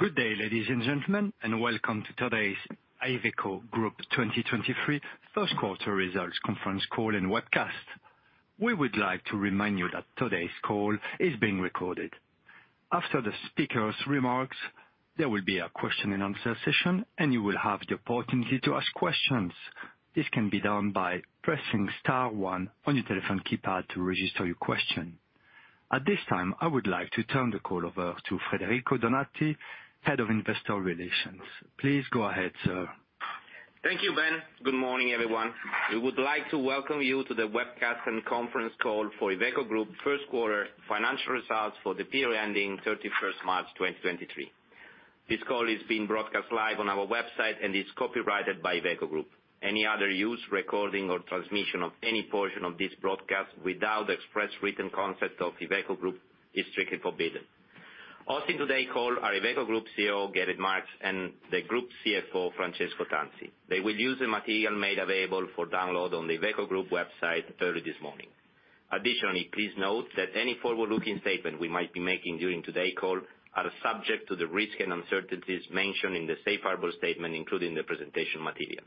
Good day, ladies and gentlemen, welcome to today's Iveco Group 2023 First Quarter Results Conference Call and Webcast. We would like to remind you that today's call is being recorded. After the speakers' remarks, there will be a question and answer session. You will have the opportunity to ask questions. This can be done by pressing star one on your telephone keypad to register your question. At this time, I would like to turn the call over to Federico Donati, Head of Investor Relations. Please go ahead, sir. Thank you, Ben. Good morning, everyone. We would like to welcome you to the webcast and conference call for Iveco Group first quarter financial results for the period ending 31st March, 2023. This call is being broadcast live on our website and is copyrighted by Iveco Group. Any other use, recording, or transmission of any portion of this broadcast without the express written consent of Iveco Group is strictly forbidden. Also in today's call are Iveco Group CEO, Gerrit Marx, and the Group CFO, Francesco Tanzi. They will use the material made available for download on the Iveco Group website early this morning. Please note that any forward-looking statement we might be making during today's call are subject to the risk and uncertainties mentioned in the safe harbor statement, including the presentation material.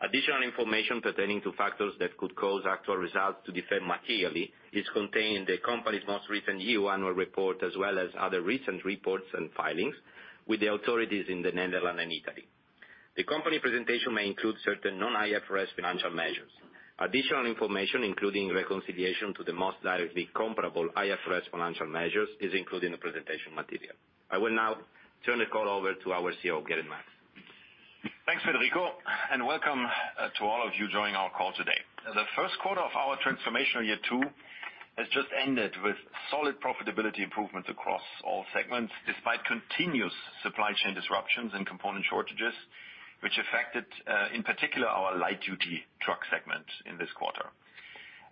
Additional information pertaining to factors that could cause actual results to differ materially is contained in the company's most recent year annual report, as well as other recent reports and filings with the authorities in the Netherlands and Italy. The company presentation may include certain non-IFRS financial measures. Additional information, including reconciliation to the most directly comparable IFRS financial measures, is included in the presentation material. I will now turn the call over to our CEO, Gerrit Marx. Thanks, Federico, welcome to all of you joining our call today. The first quarter of our transformational year two has just ended with solid profitability improvements across all segments, despite continuous supply chain disruptions and component shortages, which affected in particular our light-duty truck segment in this quarter.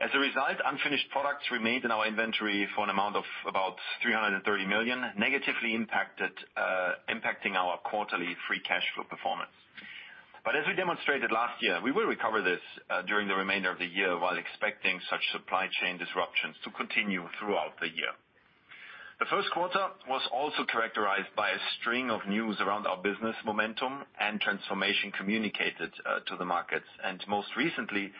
As a result, unfinished products remained in our inventory for an amount of about 330 million, negatively impacted impacting our quarterly free cash flow performance. As we demonstrated last year, we will recover this during the remainder of the year while expecting such supply chain disruptions to continue throughout the year. The first quarter was also characterized by a string of news around our business momentum and transformation communicated to the markets. Most recently,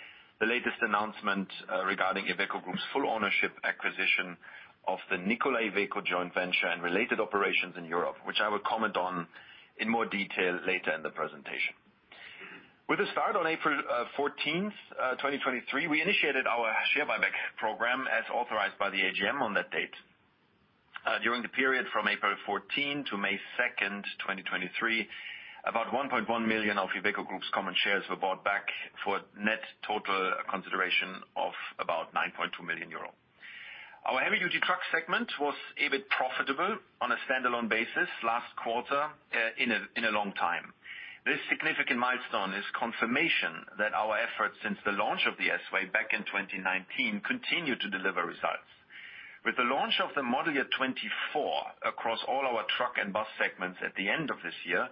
the latest announcement regarding Iveco Group's full ownership acquisition of the Nikola Iveco joint venture and related operations in Europe, which I will comment on in more detail later in the presentation. With the start on April 14th, 2023, we initiated our share buyback program as authorized by the AGM on that date. During the period from April 14 to May 2nd, 2023, about 1.1 million of Iveco Group's common shares were bought back for net total consideration of about 9.2 million euro. Our heavy-duty truck segment was a bit profitable on a standalone basis last quarter in a long time. This significant milestone is confirmation that our efforts since the launch of the S-Way back in 2019 continue to deliver results. With the launch of the Model Year 2024 across all our truck and bus segments at the end of this year,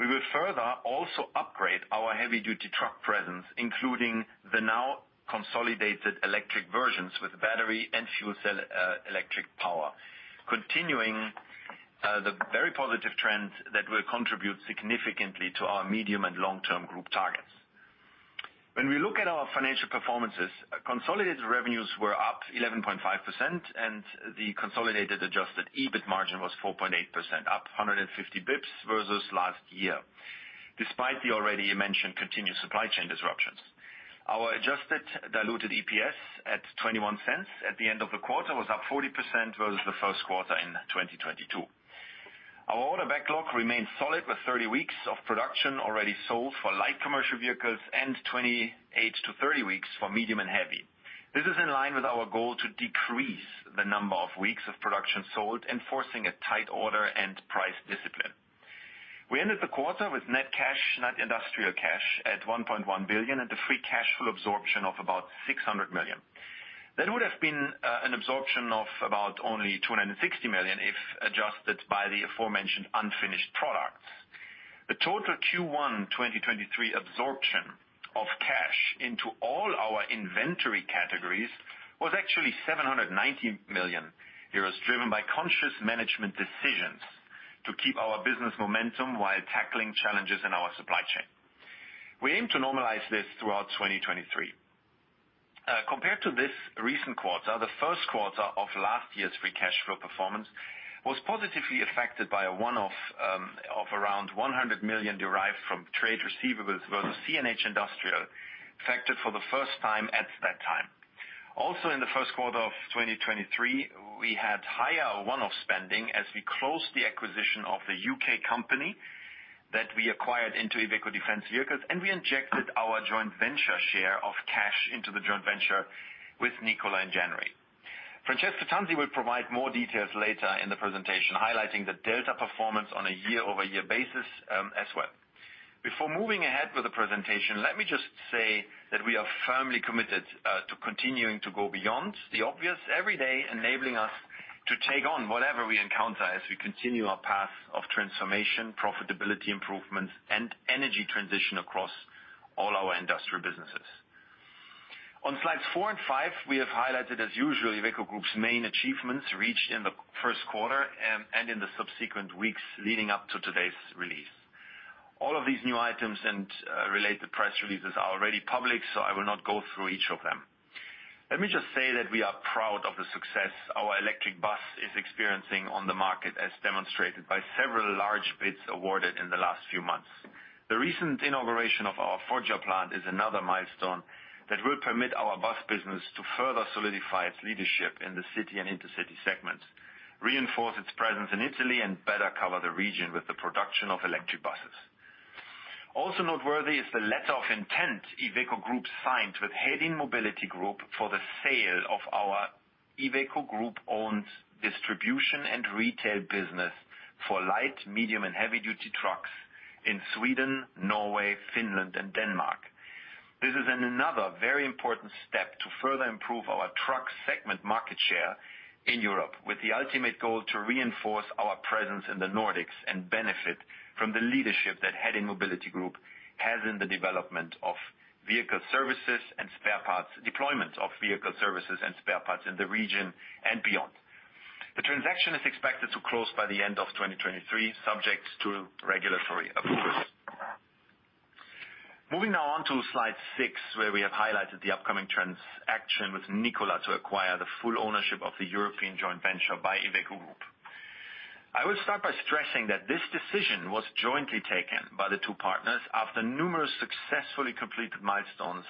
we will further also upgrade our heavy-duty truck presence, including the now consolidated electric versions with battery and fuel cell electric power. Continuing the very positive trends that will contribute significantly to our medium and long-term group targets. When we look at our financial performances, consolidated revenues were up 11.5%, and the consolidated adjusted EBIT margin was 4.8%, up 150 basis points versus last year, despite the already mentioned continued supply chain disruptions. Our adjusted diluted EPS at 0.21 at the end of the quarter was up 40% versus the 1Q in 2022. Our order backlog remains solid with 30 weeks of production already sold for light commercial vehicles and 28-30 weeks for medium and heavy. This is in line with our goal to decrease the number of weeks of production sold, enforcing a tight order and price discipline. We ended the quarter with net cash, net industrial cash, at 1.1 billion at a free cash flow absorption of about 600 million. That would have been an absorption of about only 260 million if adjusted by the aforementioned unfinished products. The total Q1 2023 absorption of cash into all our inventory categories was actually 790 million euros. It was driven by conscious management decisions to keep our business momentum while tackling challenges in our supply chain. We aim to normalize this throughout 2023. Compared to this recent quarter, the first quarter of last year's free cash flow performance was positively affected by a one-off of around 100 million derived from trade receivables versus CNH Industrial, factored for the first time at that time. In the first quarter of 2023, we had higher one-off spending as we closed the acquisition of the U.K. company that we acquired into Iveco Defence Vehicles, and we injected our joint venture share of cash into the joint venture with Nikola in January. Francesco Tanzi will provide more details later in the presentation, highlighting the delta performance on a year-over-year basis as well. Before moving ahead with the presentation, let me just say that we are firmly committed to continuing to go beyond the obvious every day, enabling us to take on whatever we encounter as we continue our path of transformation, profitability improvements, and energy transition across all our industrial businesses. On slides four and five, we have highlighted as usual, Iveco Group's main achievements reached in the first quarter and in the subsequent weeks leading up to today's release. All of these new items and related press releases are already public. I will not go through each of them. Let me just say that we are proud of the success our electric bus is experiencing on the market, as demonstrated by several large bids awarded in the last few months. The recent inauguration of our Foggia plant is another milestone that will permit our bus business to further solidify its leadership in the city and inter-city segments, reinforce its presence in Italy, and better cover the region with the production of electric buses. Also noteworthy is the letter of intent Iveco Group signed with Hedin Mobility Group for the sale of our Iveco Group-owned distribution and retail business for light, medium, and heavy-duty trucks in Sweden, Norway, Finland, and Denmark. This is another very important step to further improve our truck segment market share in Europe with the ultimate goal to reinforce our presence in the Nordics and benefit from the leadership that Hedin Mobility Group has in the development of vehicle services and spare parts. Deployment of vehicle services and spare parts in the region and beyond. The transaction is expected to close by the end of 2023, subject to regulatory approvals. Moving now on to slide six, where we have highlighted the upcoming transaction with Nikola to acquire the full ownership of the European joint venture by Iveco Group. I will start by stressing that this decision was jointly taken by the two partners after numerous successfully completed milestones,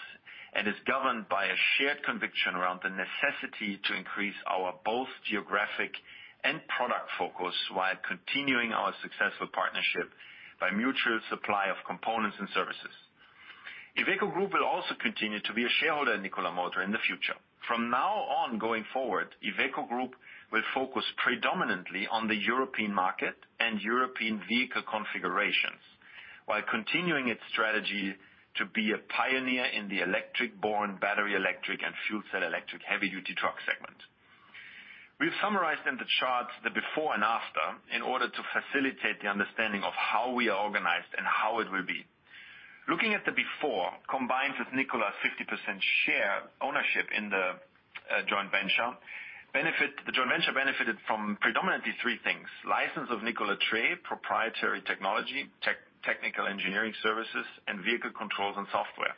and is governed by a shared conviction around the necessity to increase our both geographic and product focus while continuing our successful partnership by mutual supply of components and services. Iveco Group will also continue to be a shareholder in Nikola Motor in the future. From now on going forward, Iveco Group will focus predominantly on the European market and European vehicle configurations while continuing its strategy to be a pioneer in the electric-borne, battery electric, and fuel cell electric heavy-duty truck segment. We've summarized in the charts the before and after, in order to facilitate the understanding of how we are organized and how it will be. Looking at the before, combined with Nikola's 50% share ownership in the joint venture, The joint venture benefited from predominantly 3 things: license of Nikola Tre proprietary technology, technical engineering services, and vehicle controls and software.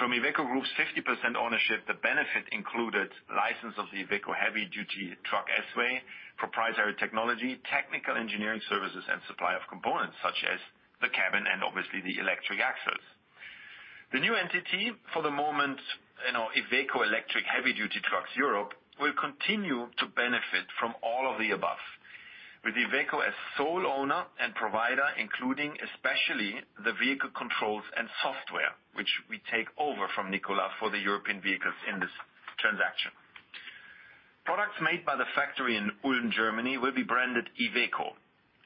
From IVECO Group's 50% ownership, the benefit included license of the IVECO heavy duty truck S-Way, proprietary technology, technical engineering services, and supply of components such as the cabin and obviously the electric axles. The new entity for the moment, you know, IVECO Electric Heavy Duty Trucks Europe, will continue to benefit from all of the above. With IVECO as sole owner and provider, including especially the vehicle controls and software, which we take over from Nikola for the European vehicles in this transaction. Products made by the factory in Ulm, Germany will be branded IVECO,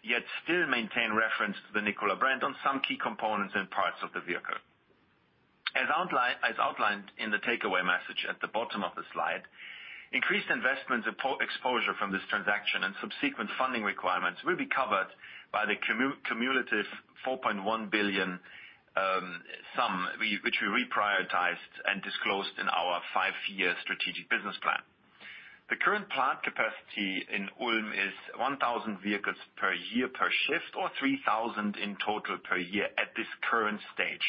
yet still maintain reference to the Nikola brand on some key components and parts of the vehicle. As outlined in the takeaway message at the bottom of the slide, increased investments and exposure from this transaction and subsequent funding requirements will be covered by the cumulative 4.1 billion sum we, which we reprioritized and disclosed in our five-year strategic business plan. The current plant capacity in Ulm is 1,000 vehicles per year per shift, or 3,000 in total per year at this current stage.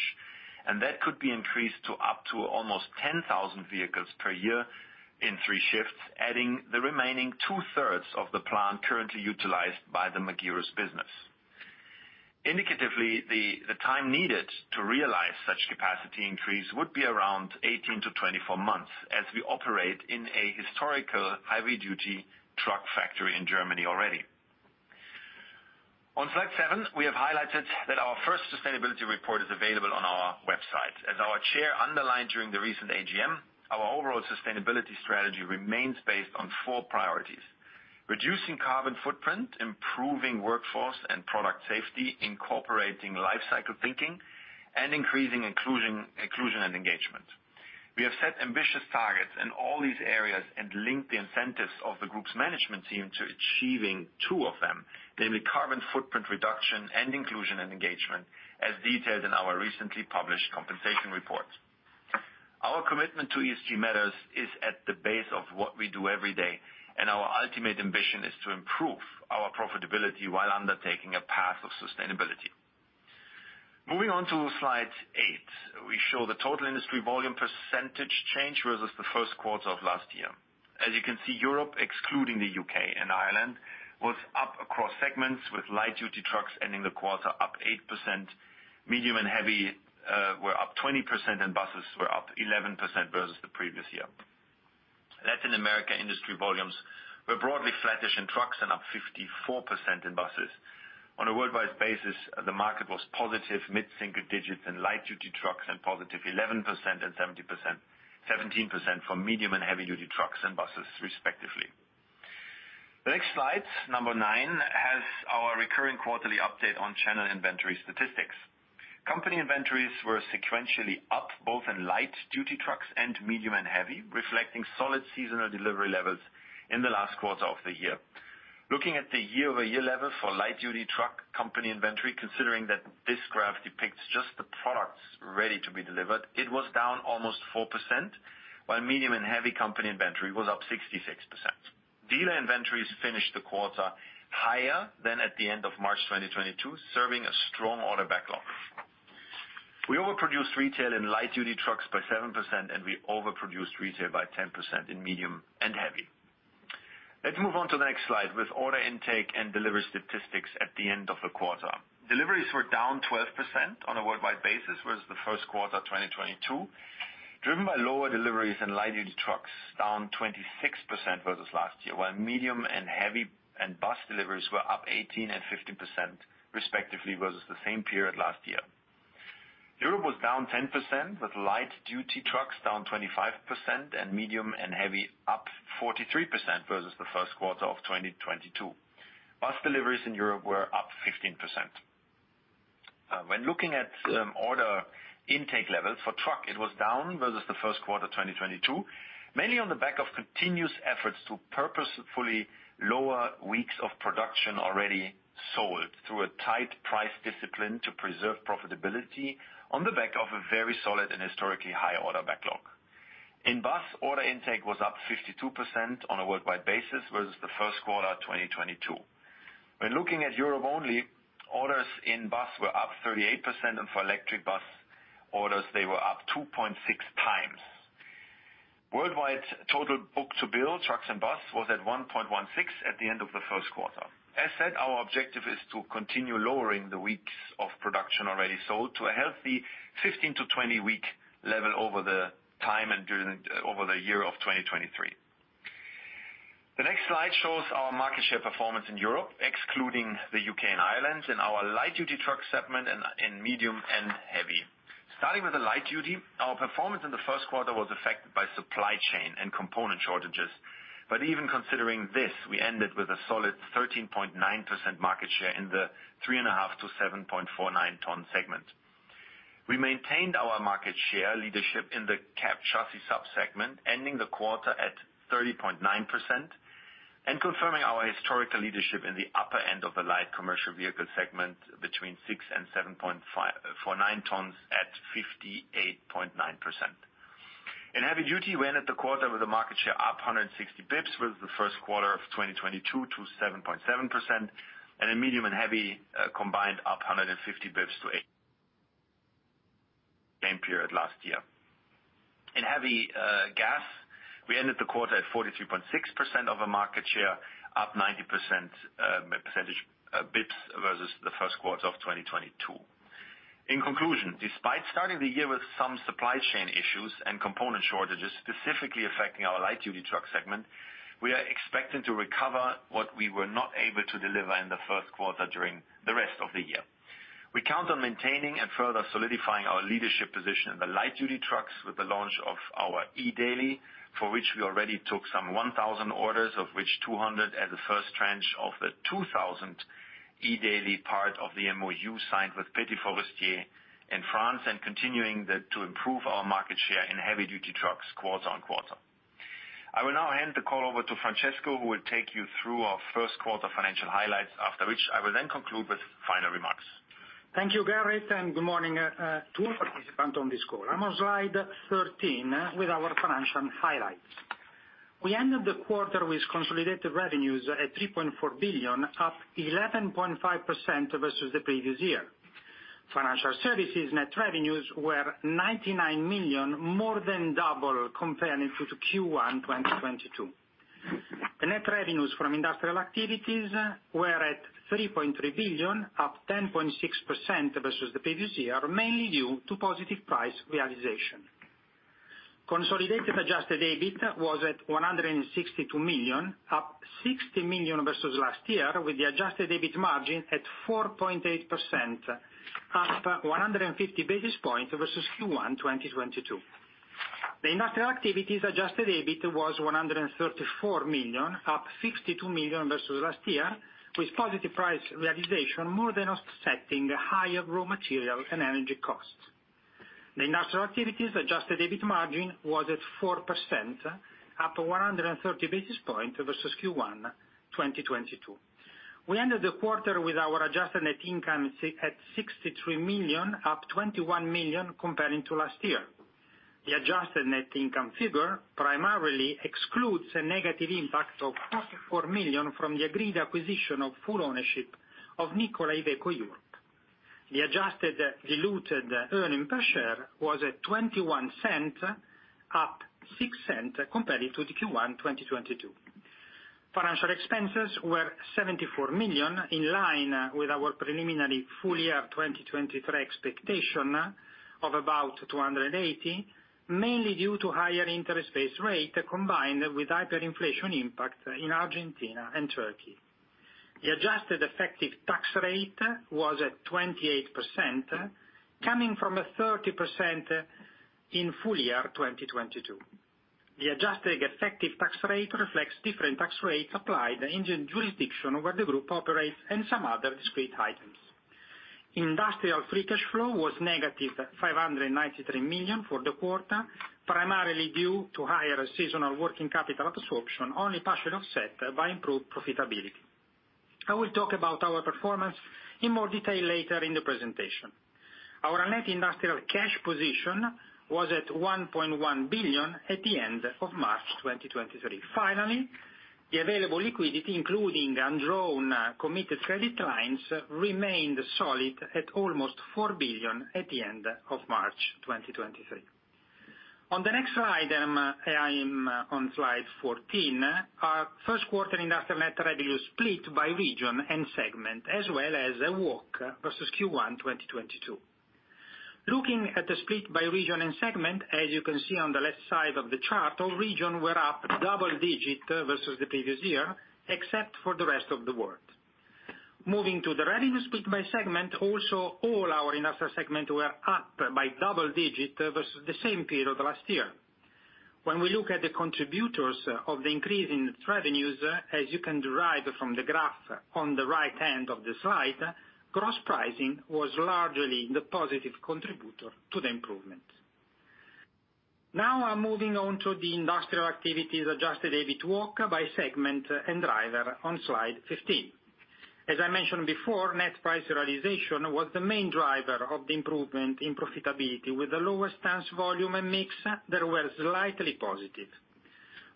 That could be increased to up to almost 10,000 vehicles per year in three shifts, adding the remaining two-thirds of the plant currently utilized by the Magirus business. Indicatively, the time needed to realize such capacity increase would be around 18-24 months as we operate in a historical heavy-duty truck factory in Germany already. On slide seven, we have highlighted that our first sustainability report is available on our website. As our chair underlined during the recent AGM, our overall sustainability strategy remains based on four priorities: reducing carbon footprint, improving workforce and product safety, incorporating life cycle thinking, and increasing inclusion and engagement. We have set ambitious targets in all these areas and linked the incentives of the group's management team to achieving two of them, namely carbon footprint reduction and inclusion and engagement, as detailed in our recently published compensation report. Our commitment to ESG matters is at the base of what we do every day. Our ultimate ambition is to improve our profitability while undertaking a path of sustainability. Moving on to slide eight, we show the total industry volume percentage change versus the first quarter of last year. As you can see, Europe, excluding the U.K. and Ireland, was up across segments with light-duty trucks ending the quarter up 8%, medium and heavy were up 20%, and buses were up 11% versus the previous year. Latin America industry volumes were broadly flattish in trucks and up 54% in buses. On a worldwide basis, the market was positive mid-single digits in light-duty trucks and positive 11% and 17% for medium and heavy-duty trucks and buses respectively. The next slide, number 9, has our recurring quarterly update on channel inventory statistics. Company inventories were sequentially up both in light-duty trucks and medium and heavy, reflecting solid seasonal delivery levels in the last quarter of the year. Looking at the year-over-year level for light-duty truck company inventory, considering that this graph depicts just the products ready to be delivered, it was down almost 4%, while medium and heavy company inventory was up 66%. Dealer inventories finished the quarter higher than at the end of March 2022, serving a strong order backlog. We overproduced retail in light-duty trucks by 7%, and we overproduced retail by 10% in medium and heavy. Let's move on to the next slide with order intake and delivery statistics at the end of the quarter. Deliveries were down 12% on a worldwide basis versus the first quarter 2022, driven by lower deliveries in light-duty trucks, down 26% versus last year, while medium and heavy and bus deliveries were up 18% and 15% respectively versus the same period last year. Europe was down 10%, with light-duty trucks down 25% and medium and heavy up 43% versus the first quarter of 2022. Bus deliveries in Europe were up 15%. When looking at order intake levels for truck, it was down versus the first quarter 2022, mainly on the back of continuous efforts to purposefully lower weeks of production already sold through a tight price discipline to preserve profitability on the back of a very solid and historically high order backlog. In bus, order intake was up 52% on a worldwide basis versus the first quarter 2022. When looking at Europe only, orders in bus were up 38%, and for electric bus orders, they were up 2.6x. Worldwide total book-to-bill trucks and bus was at 1.16 at the end of the first quarter. As said, our objective is to continue lowering the weeks of production already sold to a healthy 15-20-week level over the time and during over the year of 2023. The next slide shows our market share performance in Europe, excluding the U.K. and Ireland, in our light-duty truck segment and medium and heavy. Starting with the light duty, our performance in the first quarter was affected by supply chain and component shortages. Even considering this, we ended with a solid 13.9% market share in the 3.5 to 7.49 ton segment. We maintained our market share leadership in the cab chassis subsegment, ending the quarter at 30.9% and confirming our historical leadership in the upper end of the light commercial vehicle segment between 6 and 7.5, 49 tons at 58.9%. In heavy duty, we ended the quarter with a market share up 160 basis points with the 1st quarter of 2022 to 7.7%, and in medium and heavy combined up 150 basis points to 8% same period last year. In heavy gas, we ended the quarter at 42.6% of a market share, up 90 percentage basis points versus the first quarter of 2022. In conclusion, despite starting the year with some supply chain issues and component shortages, specifically affecting our light-duty truck segment, we are expecting to recover what we were not able to deliver in the first quarter during the rest of the year. We count on maintaining and further solidifying our leadership position in the light-duty trucks with the launch of our eDaily, for which we already took some 1,000 orders, of which 200 as the first tranche of the 2,000 eDaily part of the MOU signed with Petit Forestier in France and continuing to improve our market share in heavy-duty trucks quarter on quarter. I will now hand the call over to Francesco, who will take you through our first quarter financial highlights, after which I will then conclude with final remarks. Thank you, Gerrit, good morning to all participants on this call. I'm on slide 13 with our financial highlights. We ended the quarter with consolidated revenues at 3.4 billion, up 11.5% versus the previous year. Financial services net revenues were 99 million, more than double comparing to Q1 2022. The net revenues from industrial activities were at 3.3 billion, up 10.6% versus the previous year, mainly due to positive price realization. Consolidated adjusted EBIT was at 162 million, up 60 million versus last year, with the adjusted EBIT margin at 4.8%, up 150 basis points versus Q1 2022. The industrial activities adjusted EBIT was 134 million, up 60 million versus last year, with positive price realization more than offsetting higher raw material and energy costs. The industrial activities adjusted EBIT margin was at 4%, up 130 basis points versus Q1 2022. We ended the quarter with our adjusted net income at 63 million, up 21 million comparing to last year. The adjusted net income figure primarily excludes a negative impact of 4 million from the agreed acquisition of full ownership of Nikola Iveco Europe. The adjusted diluted earnings per share was at 0.21, up 0.06 compared to the Q1 2022. Financial expenses were 74 million, in line with our preliminary full year 2023 expectation of about 280 million, mainly due to higher interest-based rate combined with hyperinflation impact in Argentina and Turkey. The adjusted effective tax rate was at 28%, coming from a 30% in full year 2022. The adjusted effective tax rate reflects different tax rates applied in the jurisdiction where the group operates and some other discrete items. Industrial free cash flow was negative 593 million for the quarter, primarily due to higher seasonal working capital absorption, only partially offset by improved profitability. I will talk about our performance in more detail later in the presentation. Our net industrial cash position was at 1.1 billion at the end of March 2023. Finally, the available liquidity, including undrawn committed credit lines, remained solid at almost 4 billion at the end of March 2023. On the next slide, I am on slide 14. Our first quarter industrial net revenue split by region and segment, as well as a walk versus Q1 2022. Looking at the split by region and segment, as you can see on the left side of the chart, all regions were up double-digit versus the previous year, except for the rest of the world. Moving to the revenue split by segment, also all our industrial segments were up by double-digit versus the same period last year. When we look at the contributors of the increase in revenues, as you can derive from the graph on the right-hand of the slide, gross pricing was largely the positive contributor to the improvement. Now, I'm moving on to the industrial activities adjusted EBIT walk by segment and driver on slide 15. As I mentioned before, net price realization was the main driver of the improvement in profitability, with the lowest tons volume and mix that were slightly positive.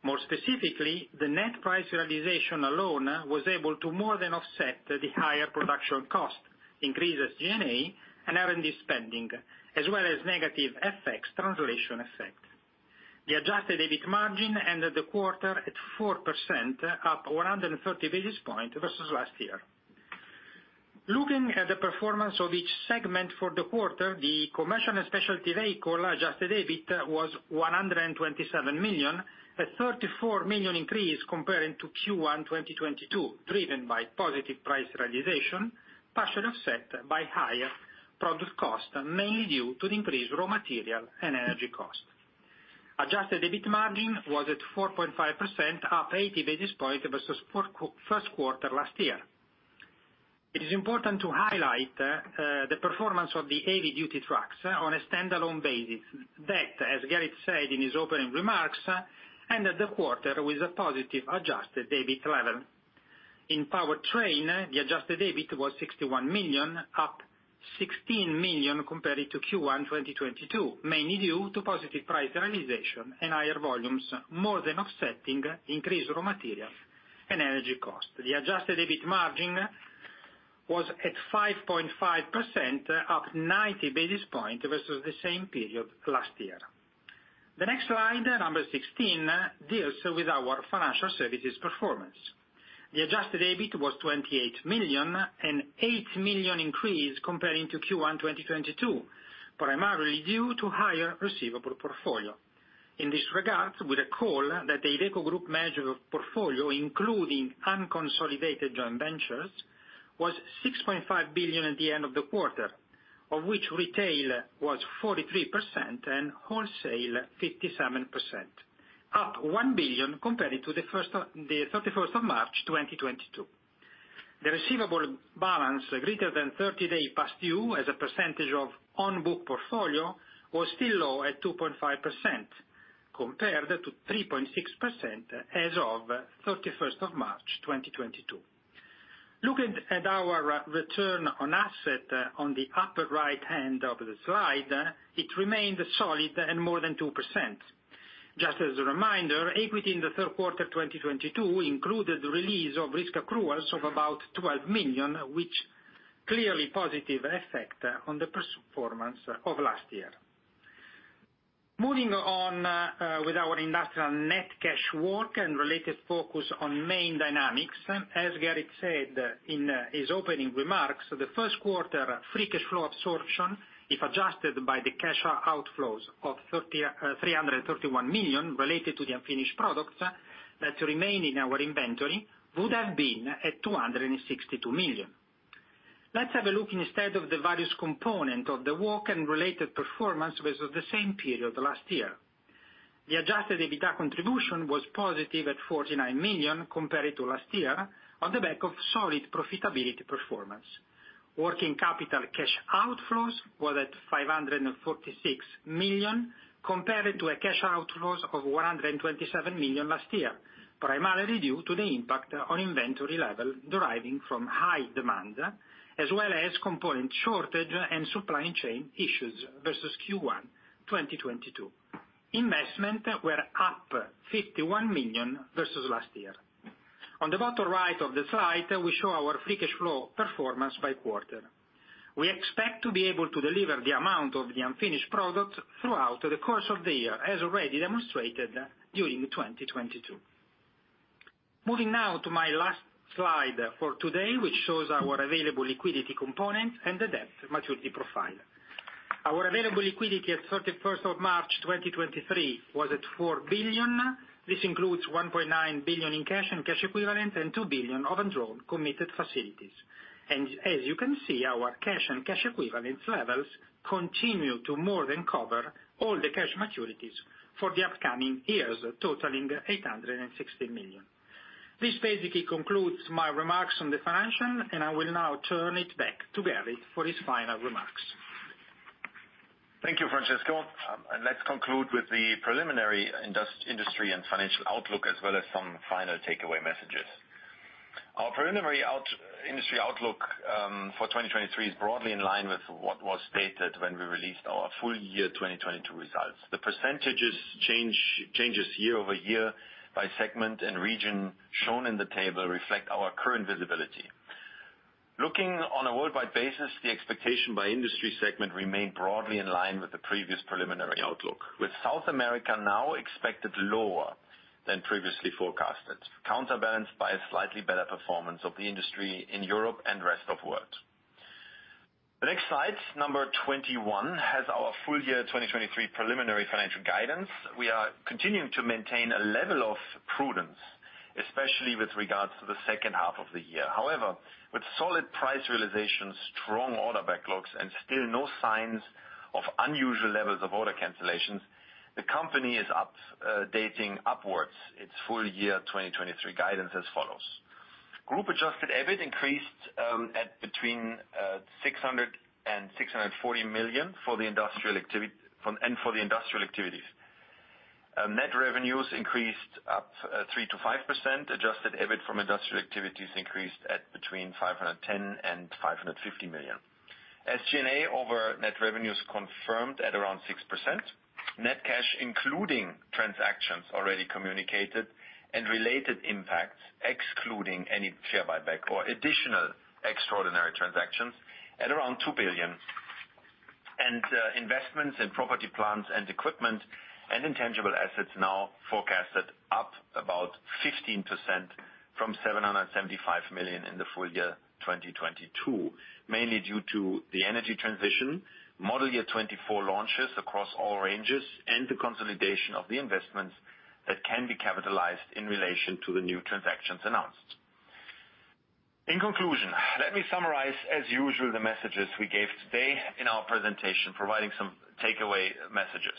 More specifically, the net price realization alone was able to more than offset the higher production cost, increases G&A and R&D spending, as well as negative FX translation effect. The adjusted EBIT margin ended the quarter at 4%, up 130 basis points versus last year. Looking at the performance of each segment for the quarter, the commercial and specialty vehicle adjusted EBIT was 127 million, a 34 million increase comparing to Q1 2022, driven by positive price realization, partially offset by higher product cost, mainly due to the increased raw material and energy cost. Adjusted EBIT margin was at 4.5%, up 80 basis points versus first quarter last year. It is important to highlight the performance of the heavy-duty trucks on a standalone basis. That, as Gerrit said in his opening remarks, ended the quarter with a positive adjusted EBIT level. In powertrain, the adjusted EBIT was 61 million, up 16 million compared to Q1 2022, mainly due to positive price realization and higher volumes more than offsetting increased raw material and energy cost. The adjusted EBIT margin was at 5.5%, up 90 basis point versus the same period last year. The next slide, number 16, deals with our financial services performance. The adjusted EBIT was 28 million, an 8 million increase comparing to Q1 2022, primarily due to higher receivable portfolio. In this regard, we recall that the Iveco Group measure of portfolio, including unconsolidated joint ventures, was 6.5 billion at the end of the quarter, of which retail was 43% and wholesale 57%, up 1 billion compared to the 31st of March 2022. The receivable balance greater than 30-day past due as a percentage of on-book portfolio was still low at 2.5% compared to 3.6% as of the 31st of March 2022. Looking at our return on asset on the upper right hand of the slide, it remained solid and more than 2%. Just as a reminder, equity in the 3rd quarter 2022 included release of risk accruals of about 12 million, which clearly positive effect on the performance of last year. Moving on, with our industrial net cash walk and related focus on main dynamics. As Gerrit said in his opening remarks, the first quarter free cash flow absorption, if adjusted by the cash outflows of 331 million related to the unfinished products that remain in our inventory, would have been at 262 million. Let's have a look instead of the various component of the walk and related performance versus the same period last year. The adjusted EBITA contribution was positive at 49 million compared to last year on the back of solid profitability performance. Working capital cash outflows was at 546 million compared to a cash outflows of 127 million last year, primarily due to the impact on inventory level deriving from high demand as well as component shortage and supply chain issues versus Q1 2022. Investment were up 51 million versus last year. On the bottom right of the slide, we show our free cash flow performance by quarter. We expect to be able to deliver the amount of the unfinished product throughout the course of the year, as already demonstrated during 2022. Moving now to my last slide for today, which shows our available liquidity component and the debt maturity profile. Our available liquidity at 31st of March 2023 was at 4 billion. This includes 1.9 billion in cash and cash equivalent and 2 billion of undrawn committed facilities. As you can see, our cash and cash equivalents levels continue to more than cover all the cash maturities for the upcoming years, totaling 860 million. This basically concludes my remarks on the financial, and I will now turn it back to Gerrit for his final remarks. Thank you, Francesco. Let's conclude with the preliminary industry and financial outlook, as well as some final takeaway messages. Our preliminary industry outlook for 2023 is broadly in line with what was stated when we released our full year 2022 results. The percentages changes year-over-year by segment and region shown in the table reflect our current visibility. Looking on a worldwide basis, the expectation by industry segment remained broadly in line with the previous preliminary outlook, with South America now expected lower than previously forecasted, counterbalanced by a slightly better performance of the industry in Europe and rest of world. The next slide, number 21, has our full year 2023 preliminary financial guidance. We are continuing to maintain a level of prudence, especially with regards to the second half of the year. With solid price realization, strong order backlogs, and still no signs of unusual levels of order cancellations, the company is updating upwards its full year 2023 guidance as follows. Group adjusted EBIT increased at between 600 million and 640 million for the industrial activities. Net revenues increased up 3%-5%. Adjusted EBIT from industrial activities increased at between 510 million and 550 million. SG&A over net revenues confirmed at around 6%. Net cash, including transactions already communicated and related impacts, excluding any share buyback or additional extraordinary transactions, at around 2 billion. Investments in property, plants and equipment and intangible assets now forecasted up about 15% from 775 million in the full year 2022, mainly due to the energy transition, Model Year 2024 launches across all ranges, and the consolidation of the investments that can be capitalized in relation to the new transactions announced. In conclusion, let me summarize as usual the messages we gave today in our presentation, providing some takeaway messages.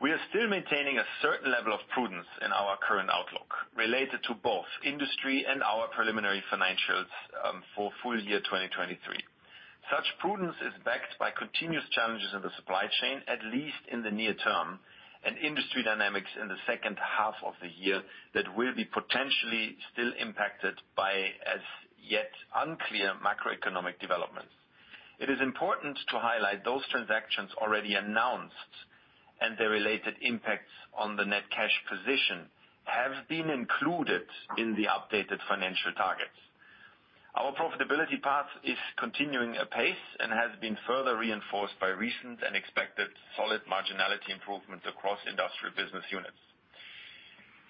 We are still maintaining a certain level of prudence in our current outlook related to both industry and our preliminary financials for full year 2023. Such prudence is backed by continuous challenges in the supply chain, at least in the near term, and industry dynamics in the second half of the year that will be potentially still impacted by as yet unclear macroeconomic developments. It is important to highlight those transactions already announced and the related impacts on the net cash position have been included in the updated financial targets. Our profitability path is continuing apace and has been further reinforced by recent and expected solid marginality improvements across industrial business units.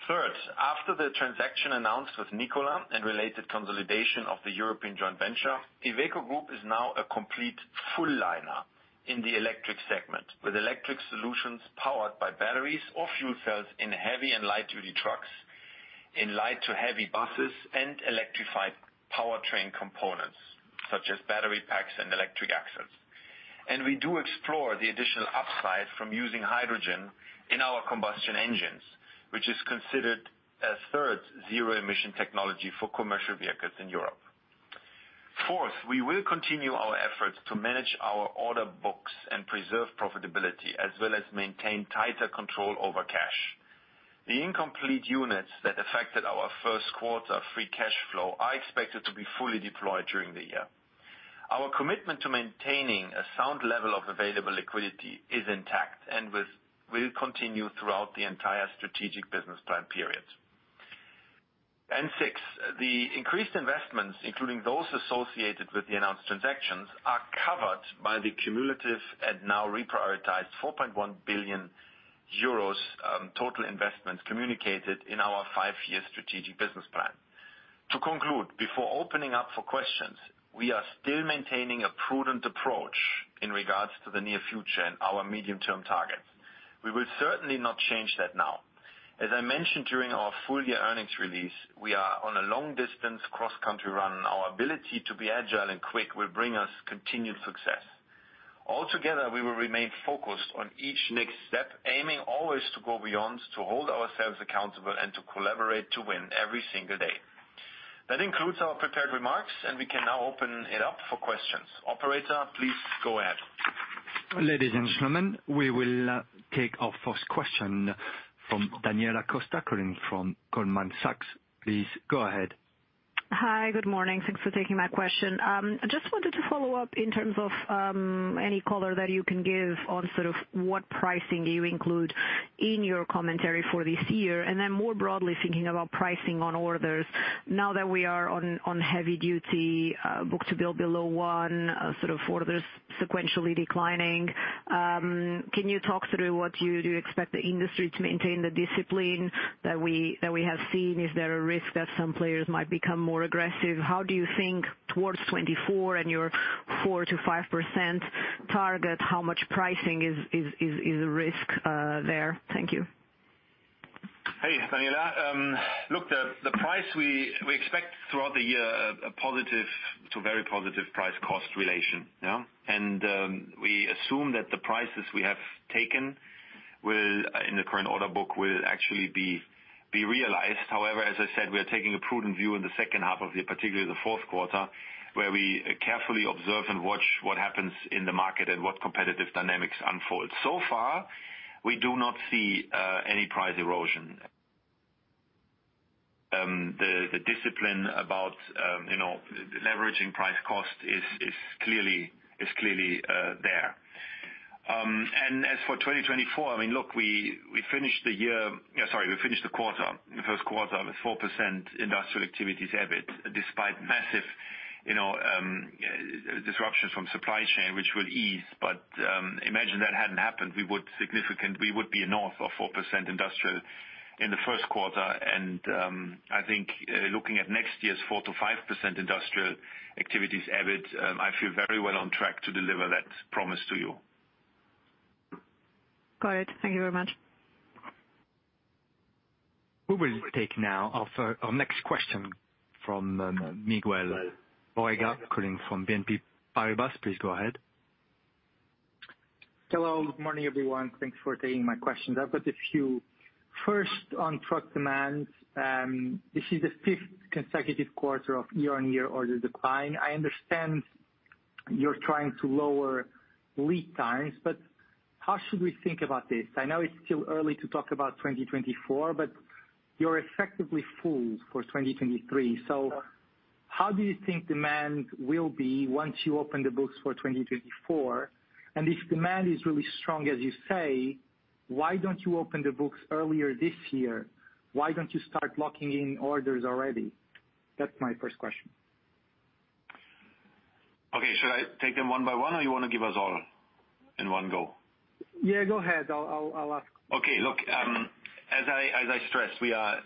Third, after the transaction announced with Nikola and related consolidation of the European joint venture, Iveco Group is now a complete full liner in the electric segment, with electric solutions powered by batteries or fuel cells in heavy and light-duty trucks, in light to heavy buses and electrified powertrain components, such as battery packs and electric axles. We do explore the additional upside from using hydrogen in our combustion engines, which is considered a third zero emission technology for commercial vehicles in Europe. Fourth, we will continue our efforts to manage our order books and preserve profitability, as well as maintain tighter control over cash. The incomplete units that affected our first quarter free cash flow are expected to be fully deployed during the year. Our commitment to maintaining a sound level of available liquidity is intact and will continue throughout the entire strategic business plan period. Six, the increased investments, including those associated with the announced transactions, are covered by the cumulative and now reprioritized 4.1 billion euros total investments communicated in our five-year strategic business plan. To conclude, before opening up for questions, we are still maintaining a prudent approach in regards to the near future and our medium-term targets. We will certainly not change that now. As I mentioned during our full year earnings release, we are on a long distance cross-country run. Our ability to be agile and quick will bring us continued success. Altogether, we will remain focused on each next step, aiming always to go beyond, to hold ourselves accountable and to collaborate to win every single day. That concludes our prepared remarks. We can now open it up for questions. Operator, please go ahead. Ladies and gentlemen, we will take our first question from Daniela Costa calling from Goldman Sachs. Please go ahead. Hi, good morning. Thanks for taking my question. I just wanted to follow up in terms of any color that you can give on sort of what pricing you include in your commentary for this year. More broadly, thinking about pricing on orders. Now that we are on heavy duty book-to-bill below one, sort of orders sequentially declining, can you talk through what you expect the industry to maintain the discipline that we have seen? Is there a risk that some players might become more aggressive? How do you think towards 2024 and your 4%-5% target, how much pricing is a risk there? Thank you. Hey, Daniela. look, the price we expect throughout the year a positive to very positive price cost relation, yeah. We assume that the prices we have taken will, in the current order book, will actually be realized. However, as I said, we are taking a prudent view in the second half of particularly the fourth quarter, where we carefully observe and watch what happens in the market and what competitive dynamics unfold. So far, we do not see any price erosion. The discipline about, you know, leveraging price cost is clearly there. As for 2024, I mean, look, we finished the year, sorry, we finished the quarter, the first quarter with 4% industrial activities EBIT despite massive, you know, disruptions from supply chain, which will ease. Imagine that hadn't happened, we would be north of 4% industrial in the first quarter. I think looking at next year's 4%-5% industrial activities EBIT, I feel very well on track to deliver that promise to you. Got it. Thank you very much. We will take now our next question from Miguel Borrega calling from BNP Paribas. Please go ahead. Hello, good morning, everyone. Thanks for taking my questions. I've got a few. First, on truck demand, this is the fifth consecutive quarter of year-on-year order decline. I understand you're trying to lower lead times. How should we think about this? I know it's still early to talk about 2024. You're effectively full for 2023. How do you think demand will be once you open the books for 2024? If demand is really strong, as you say, why don't you open the books earlier this year? Why don't you start locking in orders already? That's my first question. Should I take them one by one, or you want to give us all in one go? Yeah, go ahead. I'll ask. Okay. Look, as I stressed, we are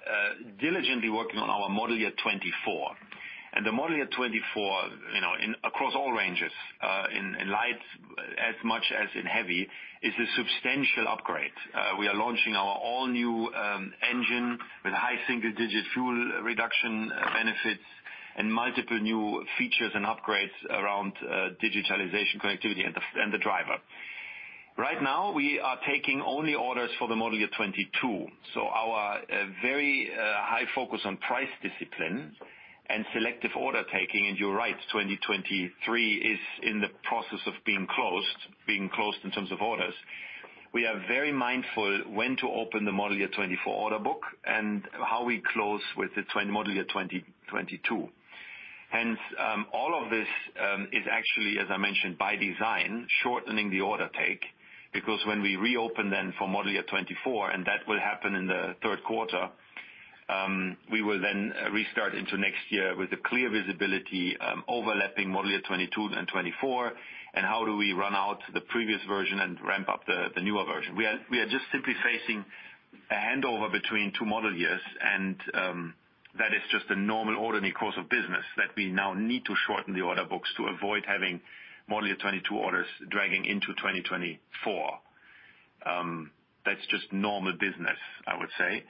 diligently working on our Model Year 2024. The Model Year 2024, you know, across all ranges, in light as much as in heavy, is a substantial upgrade. We are launching our all new engine with high single-digit fuel reduction benefits and multiple new features and upgrades around digitalization connectivity and the driver. Right now we are taking only orders for the Model Year 2022. Our very high focus on price discipline and selective order taking, and you're right, 2023 is in the process of being closed. Being closed in terms of orders. We are very mindful when to open the Model Year 2024 order book and how we close with the Model Year 2022. Hence, all of this is actually, as I mentioned, by design, shortening the order take, because when we reopen then for Model Year 2024, and that will happen in the third quarter, we will then restart into next year with a clear visibility, overlapping Model Year 2022 and 2024. How do we run out the previous version and ramp up the newer version. We are just simply facing a handover between two model years, and that is just a normal ordinary course of business that we now need to shorten the order books to avoid having Model Year 2022 orders dragging into 2024. That's just normal business, I would say.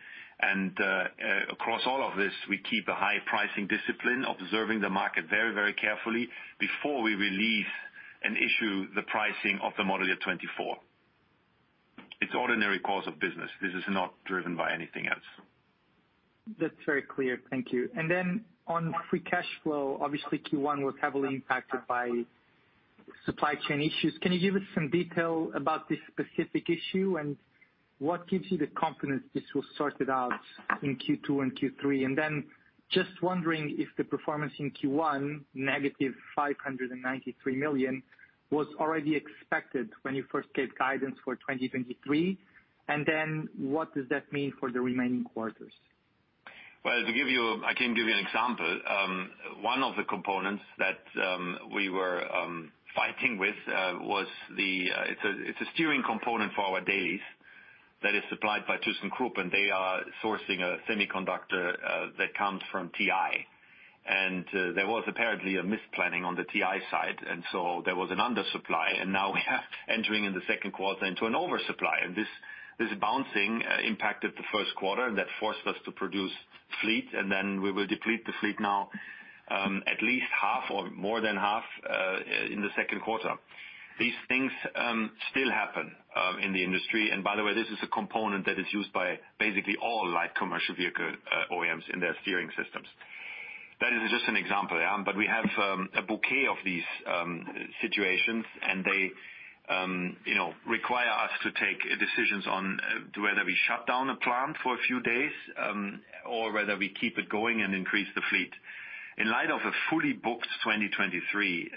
Across all of this, we keep a high pricing discipline, observing the market very carefully before we release and issue the pricing of the Model Year 2024. It's ordinary course of business. This is not driven by anything else. That's very clear. Thank you. On free cash flow, obviously Q1 was heavily impacted by supply chain issues. Can you give us some detail about this specific issue, and what gives you the confidence this will sort it out in Q2 and Q3? Just wondering if the performance in Q1, -593 million, was already expected when you first gave guidance for 2023. What does that mean for the remaining quarters? Well, to give you I can give you an example. One of the components that we were fighting with was the. It's a steering component for our Dailies that is supplied by ThyssenKrupp, and they are sourcing a semiconductor that comes from TI. There was apparently a misplanning on the TI side, and so there was an undersupply, and now we are entering in the second quarter into an oversupply. This bouncing impacted the first quarter, and that forced us to produce fleet, and then we will deplete the fleet now, at least half or more than half in the second quarter. These things still happen in the industry. By the way, this is a component that is used by basically all light commercial vehicle OEMs in their steering systems. That is just an example, yeah. We have a bouquet of these situations, and they, you know, require us to take decisions on whether we shut down a plant for a few days or whether we keep it going and increase the fleet. In light of a fully booked 2023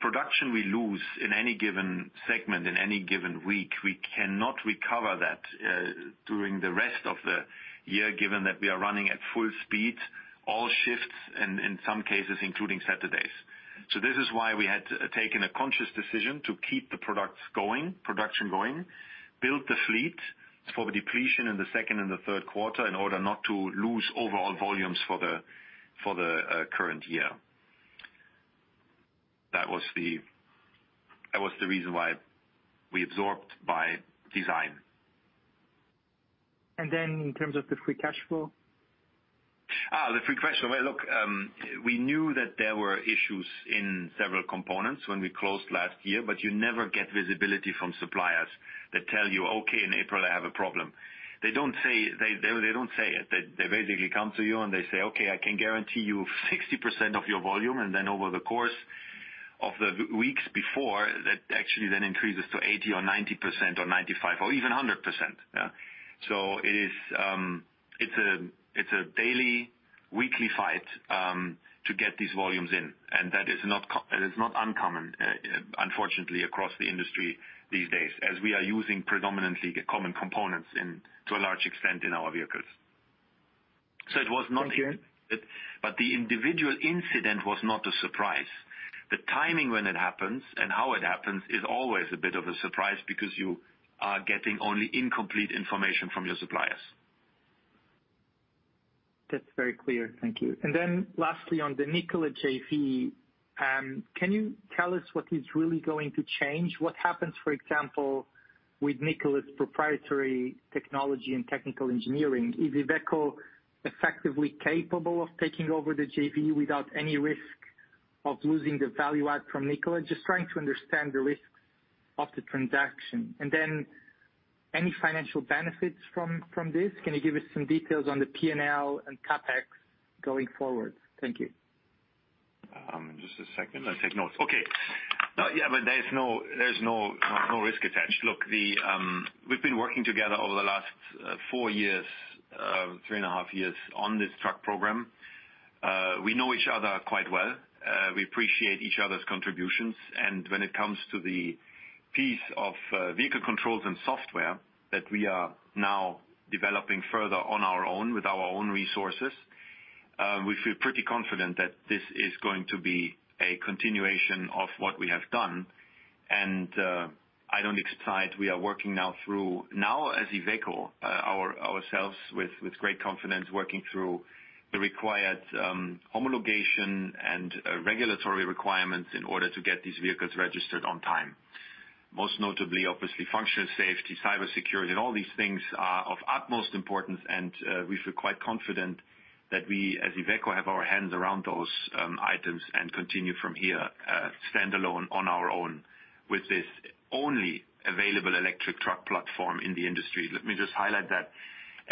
Production we lose in any given segment, in any given week, we cannot recover that during the rest of the year, given that we are running at full speed, all shifts, and in some cases, including Saturdays. This is why we had taken a conscious decision to keep the products going, production going, build the fleet for the depletion in the second and the third quarter in order not to lose overall volumes for the, for the current year. That was the reason why we absorbed by design. In terms of the free cash flow. The free cash flow. Well, look, we knew that there were issues in several components when we closed last year. You never get visibility from suppliers that tell you, "Okay, in April I have a problem." They don't say it. They basically come to you and they say, "Okay, I can guarantee you 60% of your volume." Then over the course of the weeks before, that actually then increases to 80% or 90%, or 95%, or even 100%. Yeah. It is, it's a daily, weekly fight to get these volumes in, and that is not uncommon, unfortunately, across the industry these days, as we are using predominantly the common components in, to a large extent in our vehicles. It was not. Thank you. The individual incident was not a surprise. The timing when it happens and how it happens is always a bit of a surprise because you are getting only incomplete information from your suppliers. That's very clear. Thank you. Lastly, on the Nikola JV, can you tell us what is really going to change? What happens, for example, with Nikola's proprietary technology and technical engineering? Is Iveco effectively capable of taking over the JV without any risk of losing the value add from Nikola? Just trying to understand the risks of the transaction. Any financial benefits from this? Can you give us some details on the P&L and CapEx going forward? Thank you. Just a second. Let's take notes. Okay. No. Yeah, but there's no, there's no risk attached. Look, we've been working together over the last four years, three and a half years on this truck program. We know each other quite well. We appreciate each other's contributions. When it comes to the piece of vehicle controls and software that we are now developing further on our own with our own resources, we feel pretty confident that this is going to be a continuation of what we have done. We are working now through, now as Iveco, ourselves with great confidence, working through the required homologation and regulatory requirements in order to get these vehicles registered on time. Most notably, obviously, functional safety, cybersecurity, and all these things are of utmost importance. We feel quite confident that we, as Iveco, have our hands around those items and continue from here standalone on our own with this only available electric truck platform in the industry. Let me just highlight that.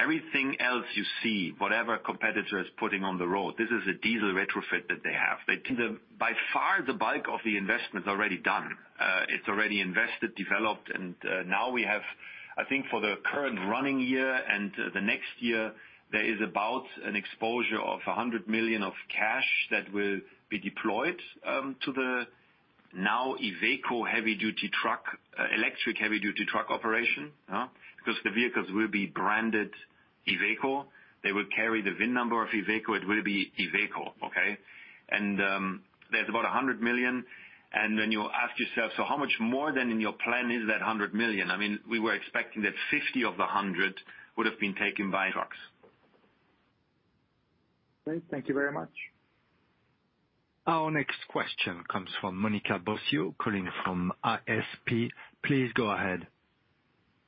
Everything else you see, whatever competitor is putting on the road, this is a diesel retrofit that they have. By far, the bulk of the investment is already done. It's already invested, developed, and now we have, I think for the current running year and the next year, there is about an exposure of 100 million of cash that will be deployed to the now Iveco heavy-duty truck, electric heavy-duty truck operation. The vehicles will be branded Iveco. They will carry the VIN number of Iveco. It will be Iveco. There's about 100 million. You ask yourself, "How much more than in your plan is that 100 million?" We were expecting that 50 of the 100 would have been taken by trucks. Great. Thank you very much. Our next question comes from Monica Bosio, calling from ISP. Please go ahead.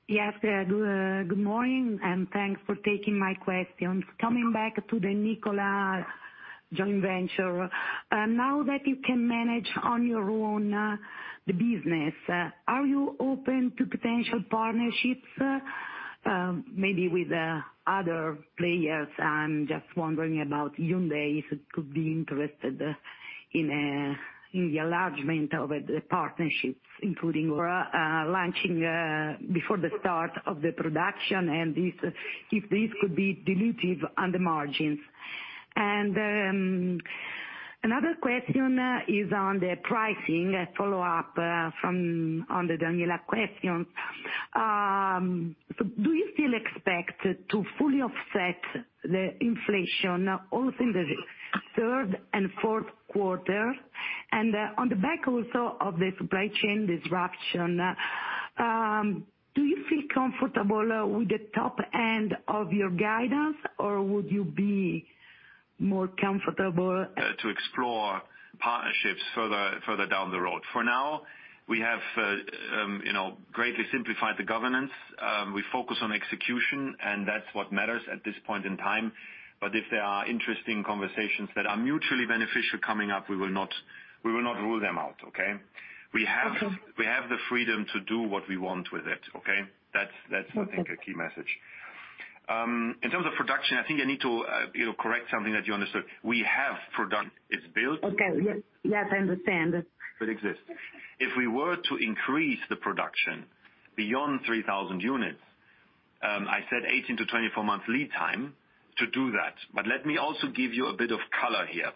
Yes. Good morning, and thanks for taking my questions. Coming back to the Nikola joint venture. Now that you can manage on your own, the business, are you open to potential partnerships, maybe with other players? I'm just wondering about Hyundai, if it could be interested in the enlargement of the partnerships, including or launching before the start of the production and if this could be dilutive on the margins. Another question is on the pricing, a follow-up from on the Daniela question. Do you still expect to fully offset the inflation also in the third and fourth quarter? On the back also of the supply chain disruption, do you feel comfortable with the top end of your guidance, or would you be more comfortable- to explore partnerships further down the road. For now, we have, you know, greatly simplified the governance. We focus on execution, and that's what matters at this point in time. If there are interesting conversations that are mutually beneficial coming up, we will not rule them out, okay? Okay. We have the freedom to do what we want with it, okay? That's I think a key message. In terms of production, I think I need to, you know, correct something that you understood. We have production. It's built. Okay. Yes. Yes, I understand. It exists. If we were to increase the production beyond 3,000 units, I said 18-24 months lead time to do that. Let me also give you a bit of color here.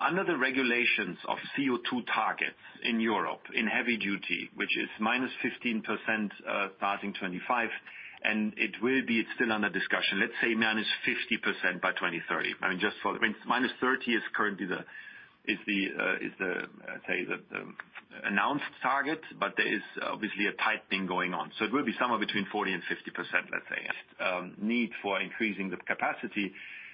Under the regulations of CO2 targets in Europe in heavy duty, which is -15%, starting 2025, and it will be still under discussion, let's say -50% by 2030. I mean, -30% is currently the, say the announced target, but there is obviously a tight thing going on. It will be somewhere between 40%-50%, let's say. Need for increasing the capacity.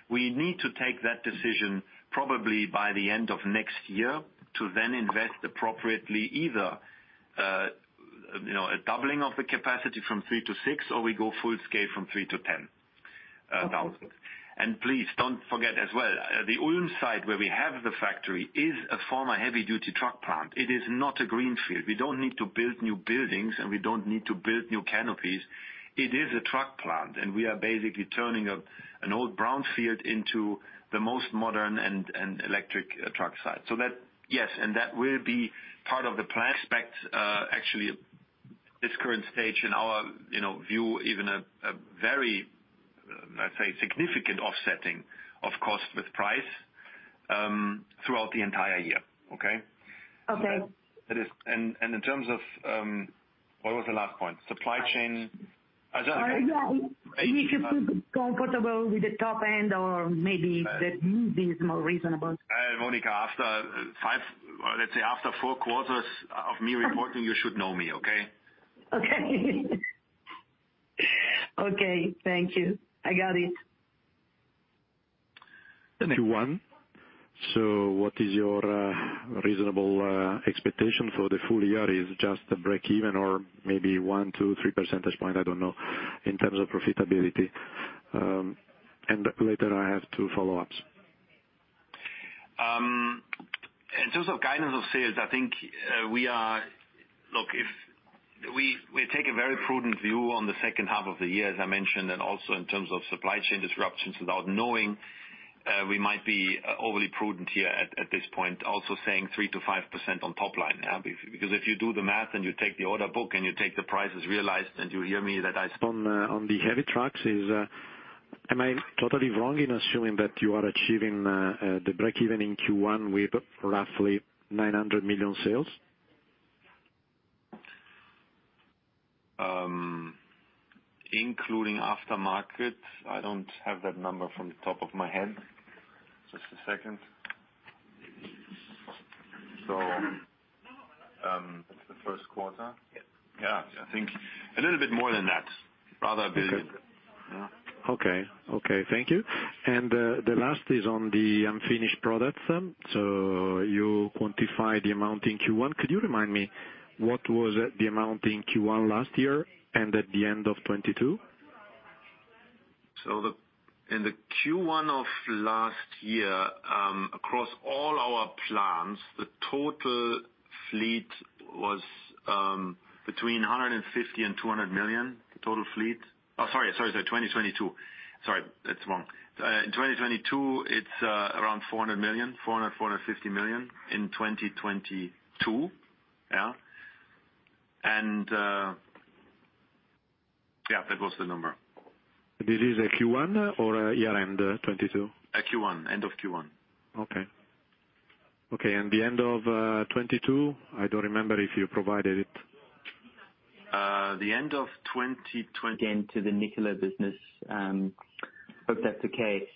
We need to take that decision probably by the end of next year to then invest appropriately, either, you know, a doubling of the capacity from three to six, or we go full scale from three to 10 thousand. Please don't forget as well, the Ulm site where we have the factory is a former heavy duty truck plant. It is not a greenfield. We don't need to build new buildings, and we don't need to build new canopies. It is a truck plant, and we are basically turning up an old brownfield into the most modern and electric truck site. That, yes, and that will be part of the plan. Expect, actually at this current stage, in our, you know, view, even a very, let's say, significant offsetting of cost with price throughout the entire year. Okay? Okay. In terms of... What was the last point? Supply chain. Yeah. You need to feel comfortable with the top end or maybe that this is more reasonable. Monica, after five, let's say after four quarters of me reporting, you should know me, okay? Okay. Okay, thank you. I got it. The next- Q1. What is your reasonable expectation for the full year? Is just a break even or maybe 1, 2, 3 percentage points, I don't know, in terms of profitability? Later I have two follow-ups. In terms of guidance of sales, I think we take a very prudent view on the second half of the year, as I mentioned, and also in terms of supply chain disruptions. Without knowing, we might be overly prudent here at this point, also saying 3%-5% on top line. Because if you do the math and you take the order book and you take the prices realized, and you hear me that. On the heavy trucks, is... Am I totally wrong in assuming that you are achieving the breakeven in Q1 with roughly 900 million sales? Including aftermarket, I don't have that number from the top of my head. Just a second. The first quarter. Yes. Yeah, I think a little bit more than that. Rather 1 billion. Okay. Okay. Thank you. The last is on the unfinished products. You quantify the amount in Q1. Could you remind me what was the amount in Q1 last year and at the end of 2022? The, in the Q1 of 2022, across all our plants, the total fleet was, between 150 million and 200 million, the total fleet. Oh, sorry. 2022. Sorry, that's wrong. In 2022, it's, around 400 million, 400 million, 450 million in 2022. Yeah. And, yeah, that was the number. This is a Q1 or a year-end 2022? A Q1, end of Q1. Okay. Okay. The end of 2022, I don't remember if you provided it. The end of. Again to the Nikola business. Hope that's okay.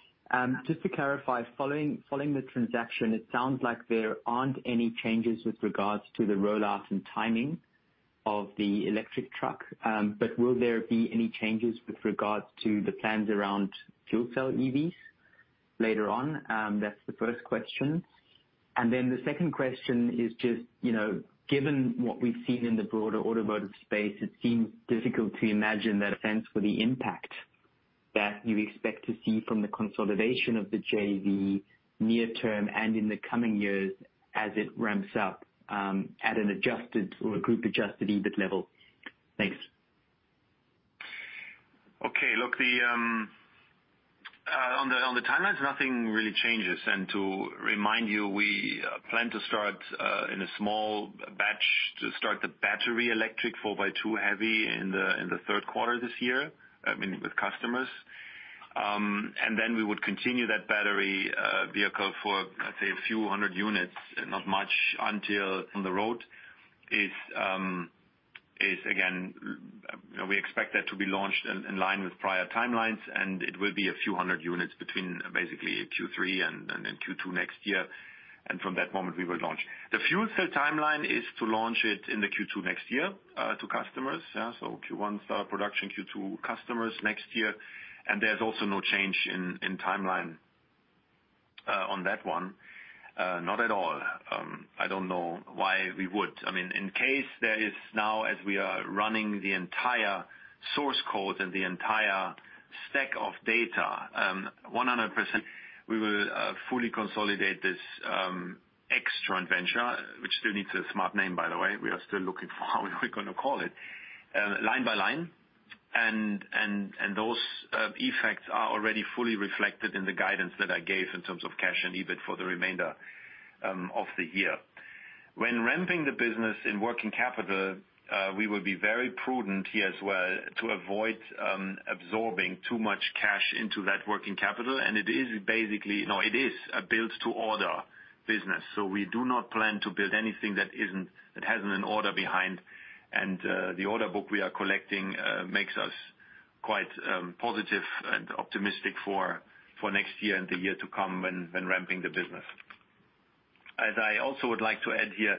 Just to clarify, following the transaction, it sounds like there aren't any changes with regards to the rollout and timing of the electric truck. Will there be any changes with regards to the plans around fuel cell EVs later on? That's the first question. The second question is just, you know, given what we've seen in the broader automotive space, it seems difficult to imagine that sense for the impact that you expect to see from the consolidation of the JV near term and in the coming years as it ramps up, at an adjusted or a group adjusted EBIT level. Thanks. Look, on the timelines, nothing really changes. To remind you, we plan to start in a small batch to start the battery electric 4x2 heavy in the third quarter this year, I mean, with customers. We would continue that battery vehicle for, let's say, a few hundred units, not much, until on the road. Is again, we expect that to be launched in line with prior timelines, it will be a few hundred units between basically Q3 and Q2 next year. From that moment, we will launch. The fuel cell timeline is to launch it in the Q2 next year to customers. Q1 start production, Q2 customers next year. There's also no change in timeline on that one. Not at all. I don't know why we would. I mean, in case there is now as we are running the entire source code and the entire stack of data, 100% we will fully consolidate this extra venture, which still needs a smart name, by the way. We are still looking for how we're gonna call it. Line by line, and those effects are already fully reflected in the guidance that I gave in terms of cash and EBIT for the remainder of the year. When ramping the business in working capital, we will be very prudent here as well to avoid absorbing too much cash into that working capital. It is basically, you know, it is a build to order business. We do not plan to build anything that hasn't an order behind. The order book we are collecting makes us quite positive and optimistic for next year and the year to come when ramping the business. As I also would like to add here,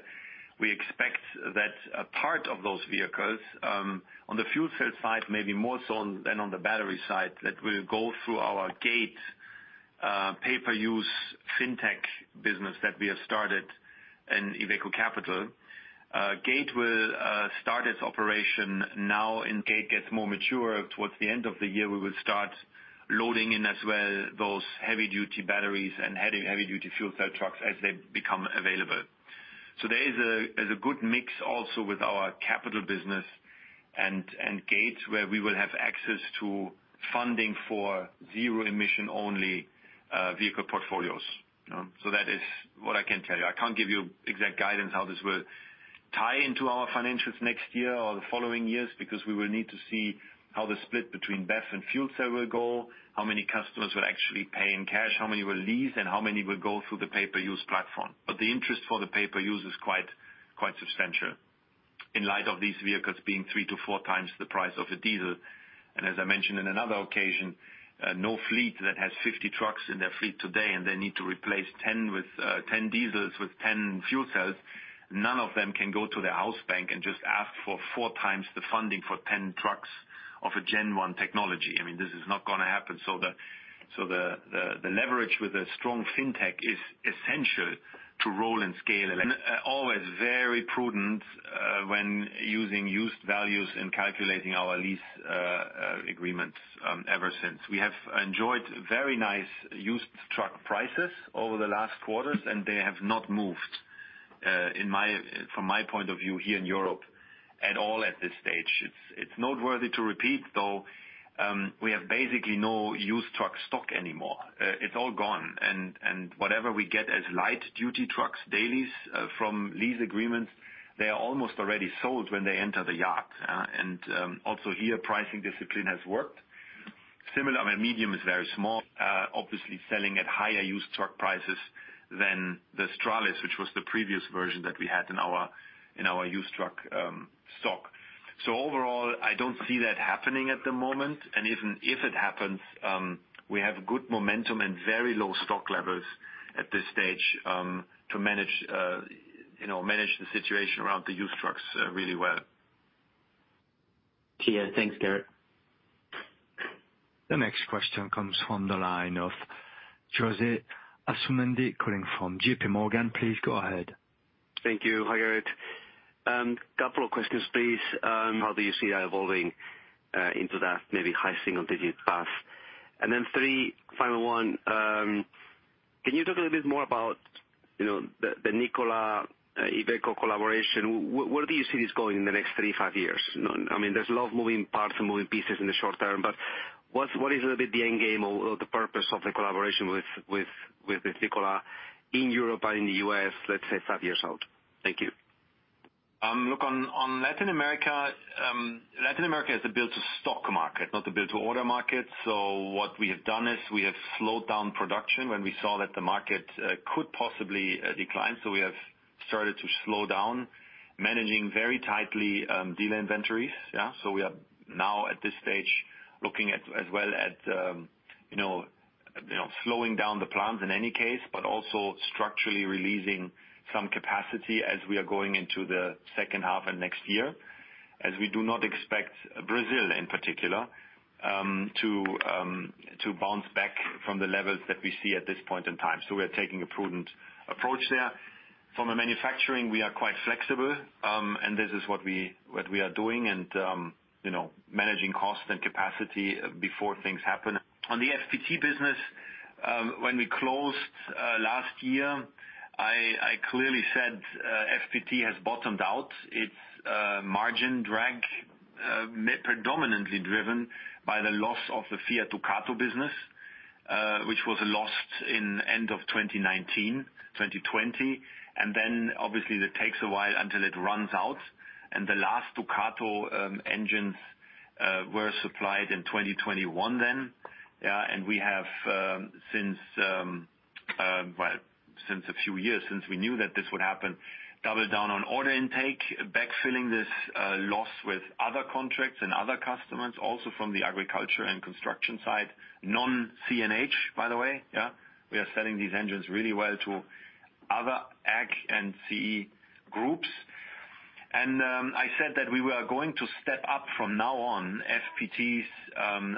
we expect that a part of those vehicles on the fuel cell side, maybe more so than on the battery side, that will go through our GATE pay-per-use FinTech business that we have started in IVECO CAPITAL. GATE will start its operation now. GATE gets more mature towards the end of the year. We will start loading in as well those heavy-duty batteries and heavy-duty fuel cell trucks as they become available. There's a good mix also with our IVECO CAPITAL business and GATE, where we will have access to funding for zero emission only vehicle portfolios. That is what I can tell you. I can't give you exact guidance how this will tie into our financials next year or the following years, because we will need to see how the split between BEV and fuel cell will go, how many customers will actually pay in cash, how many will lease, and how many will go through the pay-per-use platform. The interest for the pay-per-use is quite substantial in light of these vehicles being 3 to 4x the price of a diesel. As I mentioned in another occasion, no fleet that has 50 trucks in their fleet today and they need to replace 10 with 10 diesels with 10 fuel cells, none of them can go to their house bank and just ask for 4x the funding for 10 trucks of a gen 1 technology. I mean, this is not going to happen. The leverage with a strong FinTech is essential to roll and scale. Always very prudent when using used values in calculating our lease agreements ever since. We have enjoyed very nice used truck prices over the last quarters, and they have not moved from my point of view here in Europe at all at this stage. It's noteworthy to repeat, though, we have basically no used truck stock anymore. It's all gone. Whatever we get as light-duty trucks Daily from lease agreements, they are almost already sold when they enter the yard. Also here, pricing discipline has worked. Similar, I mean, medium is very small, obviously selling at higher used truck prices than the Stralis, which was the previous version that we had in our, in our used truck stock. Overall, I don't see that happening at the moment. Even if it happens, we have good momentum and very low stock levels at this stage, to manage, you know, manage the situation around the used trucks really well. Thanks, Gerrit. The next question comes from the line of José Asumendi calling from JPMorgan. Please go ahead. Thank you. Hi, Gerrit. Couple of questions, please. How do you see that evolving into that maybe high single-digit class? Three, final one, can you talk a little bit more about, you know, the Nikola Iveco collaboration? Where do you see this going in the next three to five years? You know, I mean, there's a lot of moving parts and moving pieces in the short term, but what is a little bit the end game or the purpose of the collaboration with Nikola in Europe and in the U.S., let's say five years out? Thank you. Look, on Latin America, Latin America is a build-to-stock market, not a build-to-order market. What we have done is we have slowed down production when we saw that the market could possibly decline. We have started to slow down, managing very tightly dealer inventories. Yeah. We are now at this stage looking as well at, you know, slowing down the plans in any case, but also structurally releasing some capacity as we are going into the second half and next year. We do not expect Brazil, in particular, to bounce back from the levels that we see at this point in time. We are taking a prudent approach there. From a manufacturing, we are quite flexible, and this is what we are doing, you know, managing cost and capacity before things happen. On the FPT business, when we closed last year, I clearly said FPT has bottomed out. Its margin drag predominantly driven by the loss of the Fiat Ducato business, which was lost in end of 2019, 2020. Obviously it takes a while until it runs out. The last Ducato engines were supplied in 2021 then. We have since a few years since we knew that this would happen, doubled down on order intake, backfilling this loss with other contracts and other customers, also from the agriculture and construction side. Non-CNH, by the way, yeah. We are selling these engines really well to other ag and CE groups. I said that we were going to step up from now on FPT's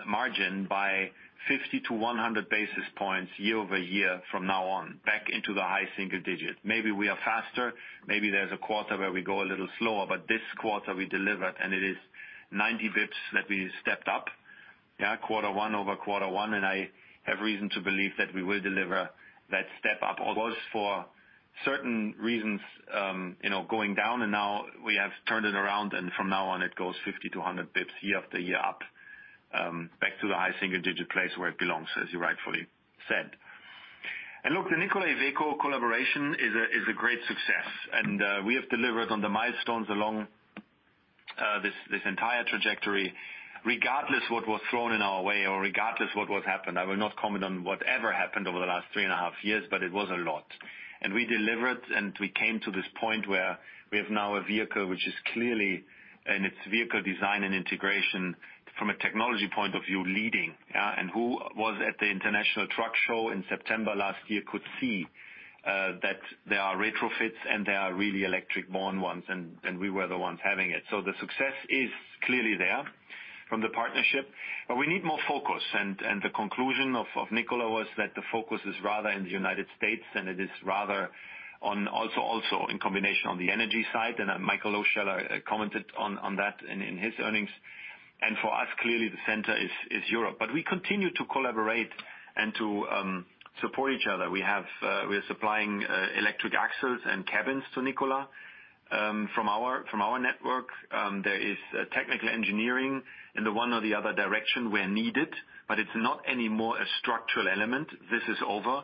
margin by 50 to 100 basis points year-over-year from now on, back into the high single digit. Maybe we are faster, maybe there's a quarter where we go a little slower, but this quarter we delivered, and it is 90 basis points that we stepped up, quarter one over quarter one. I have reason to believe that we will deliver that step up. It was for certain reasons, you know, going down and now we have turned it around and from now on it goes 50 to 100 basis points year after year up, back to the high single digit place where it belongs, as you rightfully said. Look, the Nikola Iveco collaboration is a great success. We have delivered on the milestones along this entire trajectory. Regardless what was thrown in our way or regardless what was happened, I will not comment on whatever happened over the last three and a half years, but it was a lot. We delivered, and we came to this point where we have now a vehicle which is clearly, in its vehicle design and integration from a technology point of view, leading. Who was at the International Truck Show in September last year could see that there are retrofits and there are really electric-born ones, and we were the ones having it. The success is clearly there from the partnership, but we need more focus. The conclusion of Nikola was that the focus is rather in the United States, and it is rather on also in combination on the energy side. Michael O'Sullivan commented on that in his earnings. For us, clearly the center is Europe. We continue to collaborate and to support each other. We have, we are supplying electric axles and cabins to Nikola from our network. There is technical engineering in the one or the other direction where needed, but it's not any more a structural element. This is over.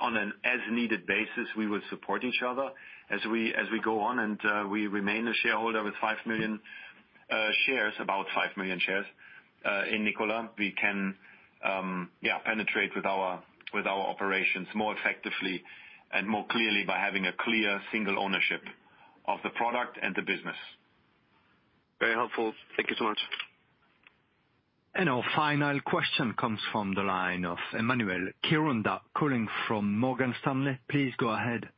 On an as-needed basis, we will support each other. As we go on, and we remain a shareholder with 5 million shares, about 5 million shares in Nikola. We can penetrate with our operations more effectively and more clearly by having a clear single ownership of the product and the business. Very helpful. Thank you so much. Our final question comes from the line of Shaqeal Kirunda, calling from Morgan Stanley. Please go ahead.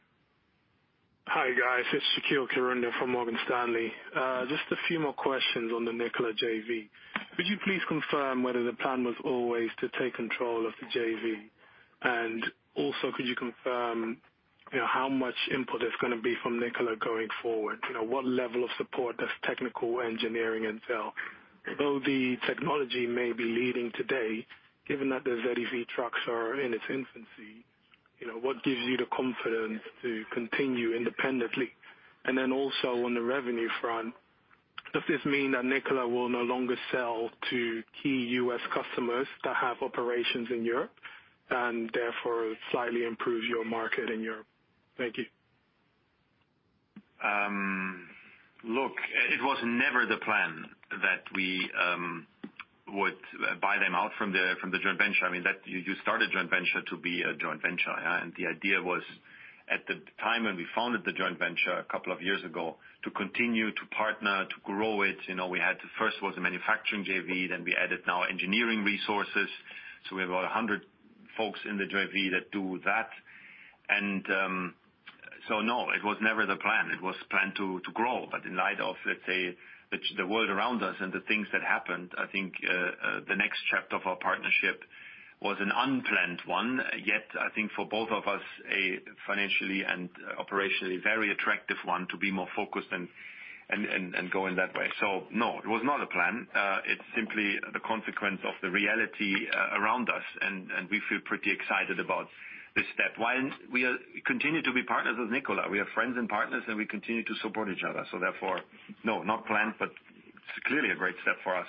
Hi, guys. It's Shaqeal Kirunda from Morgan Stanley. Just a few more questions on the Nikola JV. Could you please confirm whether the plan was always to take control of the JV? Could you confirm, you know, how much input is gonna be from Nikola going forward? You know, what level of support does technical engineering entail? Although the technology may be leading today, given that the ZEV trucks are in its infancy, you know, what gives you the confidence to continue independently? On the revenue front, does this mean that Nikola will no longer sell to key U.S. customers that have operations in Europe and therefore slightly improve your market in Europe? Thank you. Look, it was never the plan that we would buy them out from the joint venture. I mean, you start a joint venture to be a joint venture, yeah. The idea was at the time when we founded the joint venture a couple of years ago, to continue to partner, to grow it. You know, we had to first was a manufacturing JV, then we added now engineering resources, so we have 100 folks in the JV that do that. So no, it was never the plan. It was planned to grow. In light of, let's say, the world around us and the things that happened, I think, the next chapter of our partnership was an unplanned one. Yet, I think for both of us, a financially and operationally very attractive one to be more focused and go in that way. No, it was not a plan. It's simply the consequence of the reality around us. We feel pretty excited about this step. While we continue to be partners with Nikola, we are friends and partners, and we continue to support each other. Therefore, no, not planned, but it's clearly a great step for us.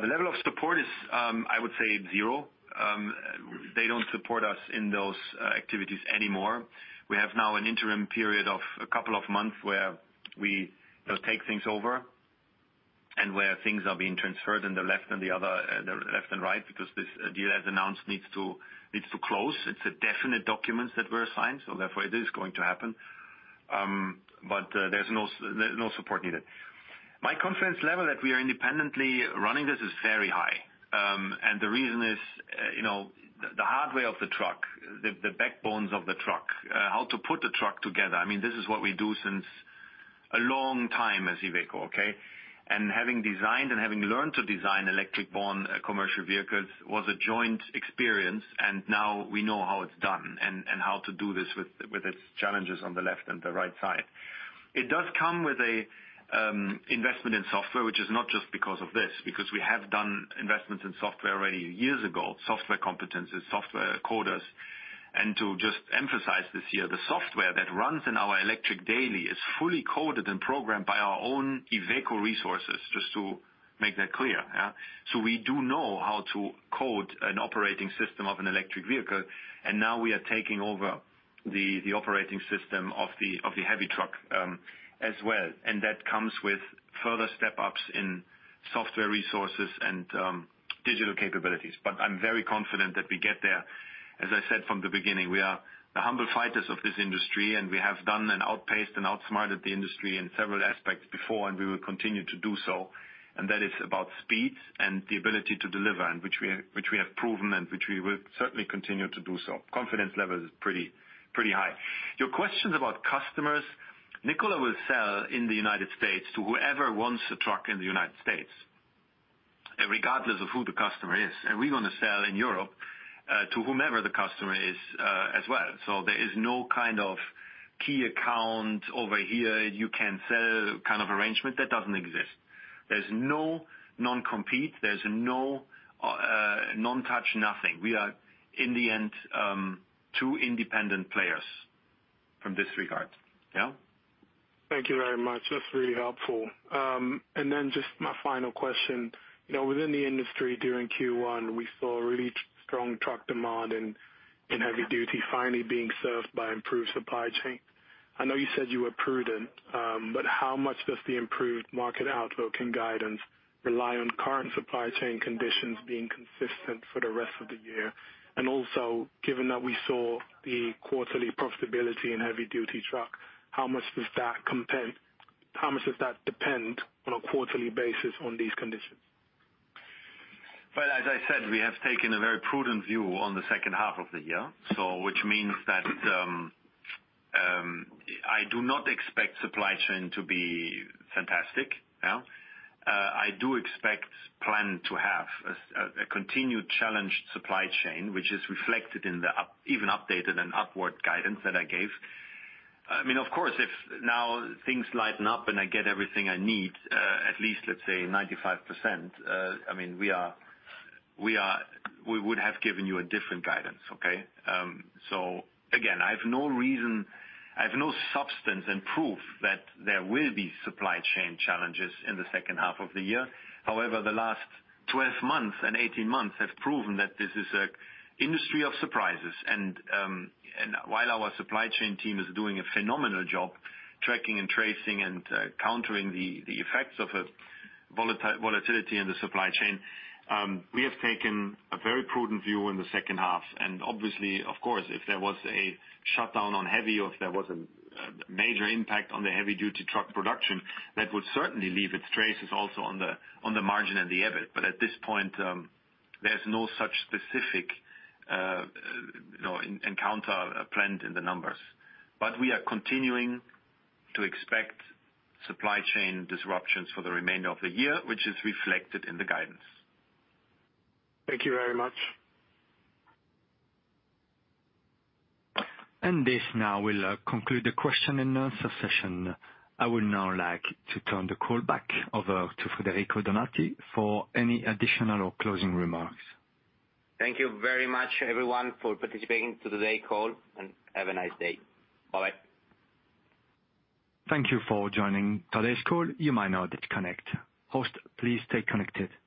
The level of support is, I would say zero. They don't support us in those activities anymore. We have now an interim period of a couple of months where we take things over and where things are being transferred in the left and the other, left and right because this deal, as announced, needs to close. It's a definite documents that were signed. Therefore, it is going to happen. There's no support needed. My confidence level that we are independently running this is very high. The reason is, you know, the hardware of the truck, the backbones of the truck, how to put the truck together, I mean, this is what we do since a long time as Iveco, okay. Having designed and having learned to design electric-born commercial vehicles was a joint experience, and now we know how it's done and how to do this with its challenges on the left and the right side. It does come with a investment in software, which is not just because of this, because we have done investments in software already years ago, software competencies, software coders. To just emphasize this here, the software that runs in our electric Daily is fully coded and programmed by our own Iveco resources, just to make that clear. We do know how to code an operating system of an electric vehicle, and now we are taking over the operating system of the heavy truck as well. That comes with further step-ups in software resources and digital capabilities. I'm very confident that we get there. As I said from the beginning, we are the humble fighters of this industry, and we have done and outpaced and outsmarted the industry in several aspects before, and we will continue to do so. That is about speeds and the ability to deliver and which we have proven and which we will certainly continue to do so. Confidence level is pretty high. Your questions about customers, Nikola will sell in the United States to whoever wants a truck in the United States, regardless of who the customer is. We're gonna sell in Europe to whomever the customer is as well. There is no kind of key account over here you can sell kind of arrangement. That doesn't exist. There's no non-compete. There's no non-touch nothing. We are, in the end, two independent players from this regard. Yeah. Thank you very much. That's really helpful. Just my final question. You know, within the industry during Q1, we saw really strong truck demand in heavy-duty finally being served by improved supply chain. I know you said you were prudent, but how much does the improved market outlook and guidance rely on current supply chain conditions being consistent for the rest of the year? Also, given that we saw the quarterly profitability in heavy-duty truck, how much does that depend on a quarterly basis on these conditions? As I said, we have taken a very prudent view on the second half of the year, so which means that I do not expect supply chain to be fantastic. Yeah. I do expect plan to have a continued challenged supply chain, which is reflected in the even updated and upward guidance that I gave. I mean, of course, if now things lighten up and I get everything I need, at least, let's say 95%, I mean, we would have given you a different guidance. Okay? Again, I have no reason, I have no substance and proof that there will be supply chain challenges in the second half of the year. The last 12 months and 18 months have proven that this is a industry of surprises. While our supply chain team is doing a phenomenal job tracking and tracing and countering the effects of a volatility in the supply chain, we have taken a very prudent view in the second half. Obviously, of course, if there was a shutdown on heavy or if there was a major impact on the heavy duty truck production, that would certainly leave its traces also on the margin and the EBIT. At this point, there's no such specific, you know, encounter planned in the numbers. We are continuing to expect supply chain disruptions for the remainder of the year, which is reflected in the guidance. Thank you very much. This now will conclude the question and answer session. I would now like to turn the call back over to Federico Donati for any additional or closing remarks. Thank you very much everyone for participating to today call, and have a nice day. Bye-bye. Thank you for joining today's call. You may now disconnect. Host, please stay connected.